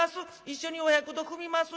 一緒にお百度踏みます』